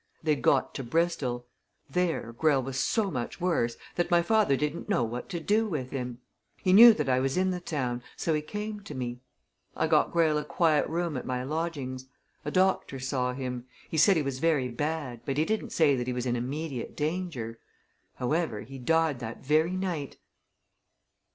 They'd got to Bristol there, Greyle was so much worse that my father didn't know what to do with him. He knew that I was in the town, so he came to me. I got Greyle a quiet room at my lodgings. A doctor saw him he said he was very bad, but he didn't say that he was in immediate danger. However, he died that very night."